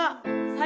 はい。